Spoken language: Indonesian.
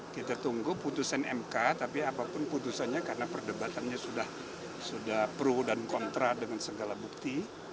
kita tunggu putusan mk tapi apapun putusannya karena perdebatannya sudah pro dan kontra dengan segala bukti